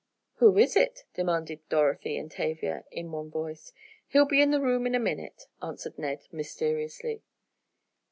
"Who is it?" demanded Dorothy and Tavia, in one voice. "He'll be in the room in a minute," answered Ned, mysteriously.